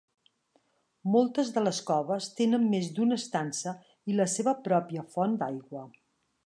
Moltes de les coves tenen més d'una estança i la seva pròpia font d'aigua.